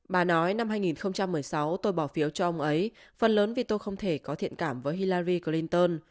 bà nói năm hai nghìn một mươi sáu tôi bỏ phiếu cho ông ấy phần lớn vì tôi không thể có thiện cảm với hillary clinton